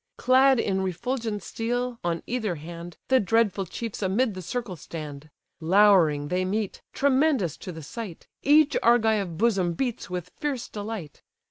Clad in refulgent steel, on either hand, The dreadful chiefs amid the circle stand; Louring they meet, tremendous to the sight; Each Argive bosom beats with fierce delight.